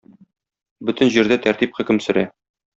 Бөтен җирдә тәртип хөкем сөрә